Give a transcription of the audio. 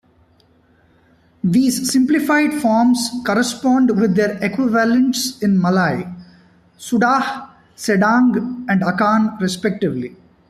These simplified forms correspond with their equivalents in Malay "sudah", "sedang", and "akan", respectively.